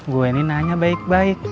gue ini nanya baik baik